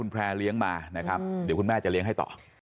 แพร่เลี้ยงมานะครับเดี๋ยวคุณแม่จะเลี้ยงให้ต่อ